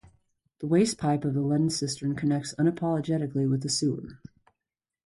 The waste pipe of the leaden cistern connects unapologetically with the sewer.